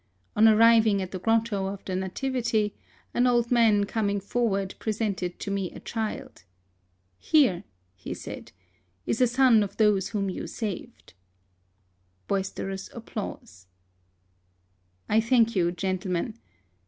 On arriving at the grotto of the Nativity, an old man coming forward presented to me a child. " Here," he said, " is a son of those whom you saved." (Boisterous applause.) I thank you, gentlemen.